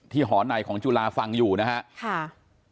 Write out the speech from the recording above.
ที่หอนายของจุลาฝั่งอยู่นะครับ